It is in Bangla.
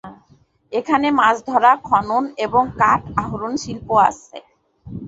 এখানে মাছ ধরা, খনন, এবং কাঠ আহরণ শিল্প আছে।